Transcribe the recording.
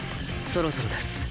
そろそろです